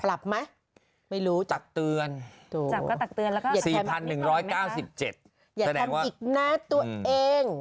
ปรับไหมไม่รู้จับเตือน๔๑๙๗รายอย่าทำอีกนะตัวเอง